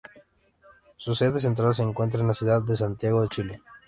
Su sede central se encuentra en la ciudad de Santiago de Chile.